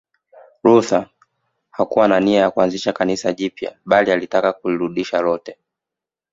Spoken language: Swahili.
Luther hakuwa na nia ya kuanzisha Kanisa jipya bali alitaka kulirudisha lote